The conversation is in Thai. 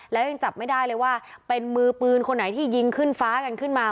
แล้วยังจับไม่ได้เลยว่าเป็นมือปืนคนไหนที่ยิงขึ้นฟ้ากันขึ้นมา